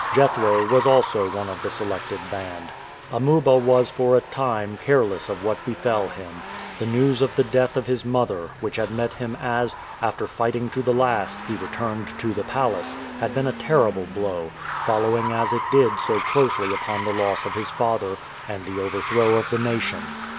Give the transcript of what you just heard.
Jethro was also one of the selected band. Amuba was for a time careless of what befell him. The news of the death of his mother, which had met him as, after fighting to the last, he returned to the palace, had been a terrible blow, following as it did so closely upon the loss of his father and the overthrow of the nation.